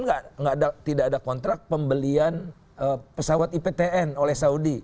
tidak ada kontrak pembelian pesawat iptn oleh saudi